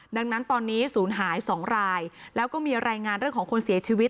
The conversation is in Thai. ดังนั้นตอนนี้ศูนย์หาย๒รายแล้วก็มีรายงานเรื่องของคนเสียชีวิต